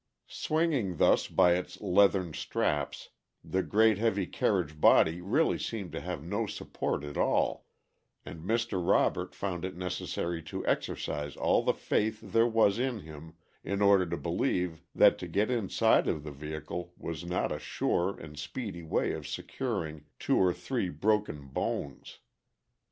Swinging thus by its leathern straps, the great heavy carriage body really seemed to have no support at all, and Mr. Robert found it necessary to exercise all the faith there was in him in order to believe that to get inside of the vehicle was not a sure and speedy way of securing two or three broken bones.